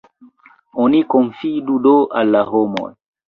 Oni konfidu do al la homoj!